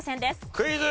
クイズ。